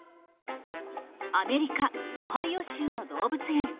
アメリカ・オハイオ州の動物園。